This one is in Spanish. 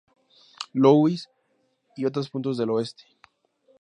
Louis, y otros puntos del oeste.